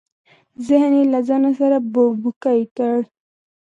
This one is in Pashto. ذهن یې له ځانه سره بوړبوکۍ کړ.